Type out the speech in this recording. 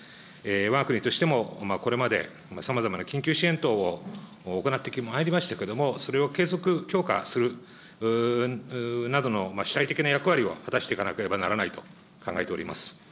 わが国としても、これまで様々な緊急支援等を行ってまいりましたけれども、それを継続、強化するなどの主体的な役割を果たしていかなければならないと考えております。